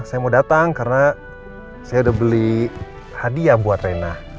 saya mau datang karena saya udah beli hadiah buat rena